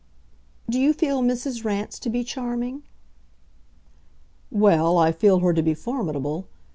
"Do you feel Mrs. Rance to be charming?" "Well, I feel her to be formidable.